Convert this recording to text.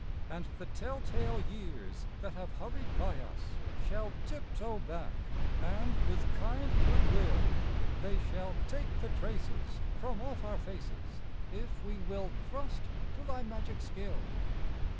And the tell tale years that have hurried by us Shall tip toe back, and, with kind good will, They shall take the traces from off our faces, If we will trust to thy magic skill.